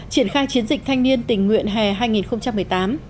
triển khai chiến dịch thanh niên tình nguyện hè hai nghìn một mươi tám